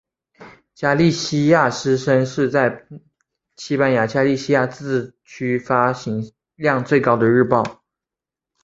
加利西亚之声是在西班牙加利西亚自治区发行量最高的日报。